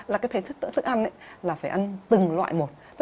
là cái thể thức ăn là phải ăn từng loại một